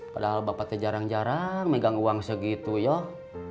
padahal bapak teh jarang jarang megang uang segitu yoh